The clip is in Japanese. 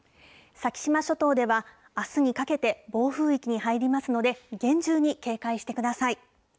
先島諸島ではあすにかけて暴風域に入りますので、厳重に警戒してください。